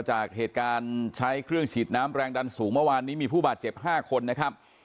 จากเหตุการณ์ใช้เครื่องฉีดน้ำแรงดันสูงเมื่อวานนี้มีผู้บาดเจ็บ๕คนนะครับ